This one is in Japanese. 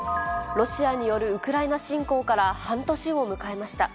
ロシアによるウクライナ侵攻から半年を迎えました。